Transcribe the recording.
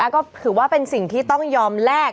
ก็ถือว่าเป็นสิ่งที่ต้องยอมแลก